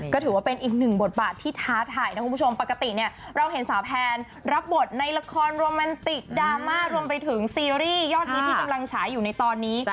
ก็ถือว่าเป็นอีกหนึ่งบทบาทที่ท้าทายนะคุณผู้ชมปกติเนี่ยเราเห็นสาวแพนรับบทในละครโรแมนติกดราม่ารวมไปถึงซีรีส์ยอดฮิตที่กำลังฉายอยู่ในตอนนี้